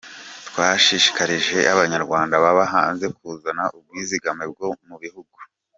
Twashishikarije Abanyarwanda baba hanze kuzana ubwizigame bwabo mugihugu.